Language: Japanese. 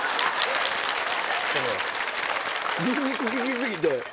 ニンニク利き過ぎて。